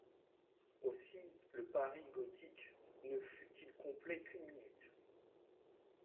Aussi le Paris gothique ne fut-il complet qu'une minute.